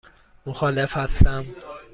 مخالف هستم.